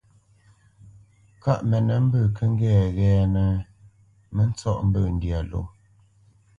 Kâʼ mənə mbə̂ kə́ ŋgɛ́nə ghɛ́ɛ́nə́, mə ntsɔ́ʼ mbə̂ ndyâ ló.